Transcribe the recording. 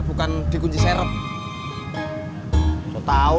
bukan dikunci sirup nemah nemah staying semb water tapi kehabisan siap soulmatea yeh sagt